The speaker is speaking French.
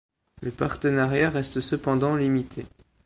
Le partenariat reste cependant limité.